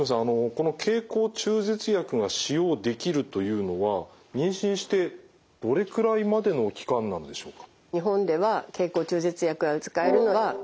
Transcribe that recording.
この経口中絶薬が使用できるというのは妊娠してどれくらいまでの期間なんでしょうか？